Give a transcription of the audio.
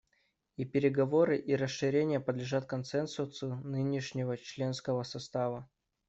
И переговоры, и расширение подлежат консенсусу нынешнего членского состава.